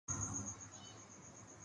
جمہوریت کسی ڈرامے کا نام نہیں ہے۔